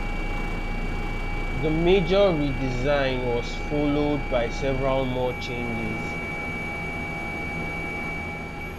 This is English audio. The major redesign was followed by several more changes.